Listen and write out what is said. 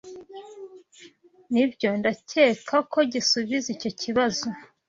Nibyo, ndakeka ko gisubiza icyo kibazo.